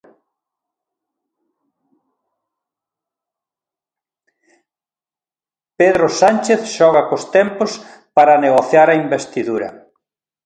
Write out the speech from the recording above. Pedro Sánchez xoga cos tempos para negociar a investidura.